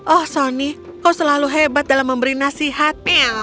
oh sony kau selalu hebat dalam memberi nasihatnya